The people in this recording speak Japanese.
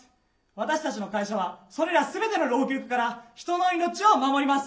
私たちの会社はそれら全ての老朽化から人の命を守ります。